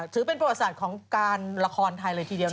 ถือเป็นประวัติศาสตร์ของการละครไทยเลยทีเดียว